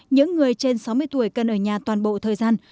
những người trên sáu mươi tuổi cần ở nhà toàn bộ thời gian